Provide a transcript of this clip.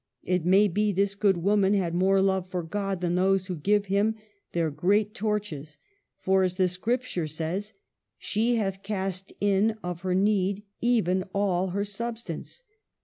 It may be this good woman had more love for God than those who give him their great torches ; for, as the Scripture says, she hath cast in of her need, even all her substance."